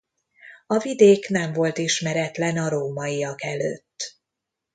A vidék nem volt ismeretlen a rómaiak előtt.